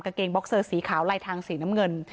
เกงบ็อกเซอร์สีขาวลายทางสีน้ำเงิน